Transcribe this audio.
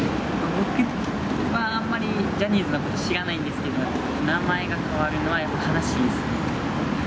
僕はあんまりジャニーズのこと知らないんですけど、名前が変わるのはやっぱり悲しいですね。